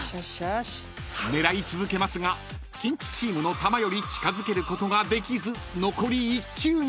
［狙い続けますがキンキチームの球より近づけることができず残り１球に］